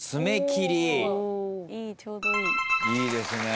いいですね。